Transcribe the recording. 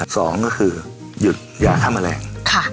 สองก็คือหยุดยาฆ่าแมลง